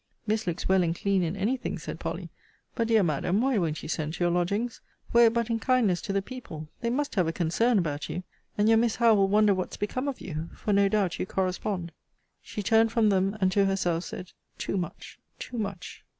Miss looks well and clean in any thing, said Polly. But, dear Madam, why won't you send to your lodgings? Were it but in kindness to the people? They must have a concern about you. And your Miss Howe will wonder what's become of you; for, no doubt, you correspond. She turned from them, and, to herself, said, Too much! Too much!